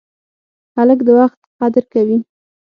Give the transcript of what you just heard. هلک د وخت قدر کوي.